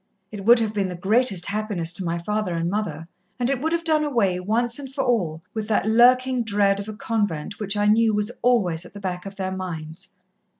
It would have been the greatest happiness to my father and mother, and it would have done away, once and for all, with that lurking dread of a convent which I knew was always at the back of their minds.